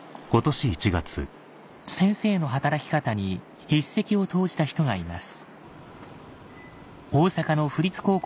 先生の働き方に一石を投じた人がいます